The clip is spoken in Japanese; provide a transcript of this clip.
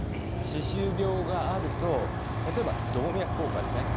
歯周病があると例えば、動脈硬化ですね。